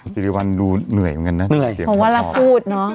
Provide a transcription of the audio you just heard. ศรีริวัลดูเหนื่อยเหมือนกันนะเหนื่อยผมว่ารักพูดเนอะ